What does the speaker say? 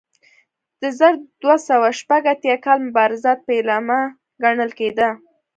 د زر دوه سوه شپږ اتیا کال مبارزات پیلامه ګڼل کېده.